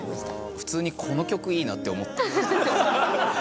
普通にこの曲いいなって思った。